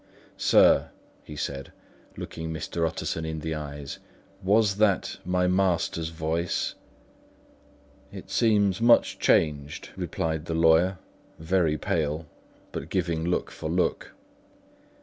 "Sir," he said, looking Mr. Utterson in the eyes, "Was that my master's voice?" "It seems much changed," replied the lawyer, very pale, but giving look for look.